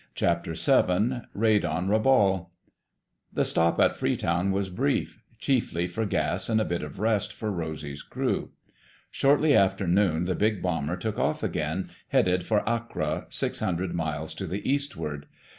CHAPTER SEVEN RAID ON RABAUL The stop at Freetown was brief—chiefly for gas and a bit of rest for Rosy's crew. Shortly after noon the big bomber took off again, headed for Accra, six hundred miles to the eastward.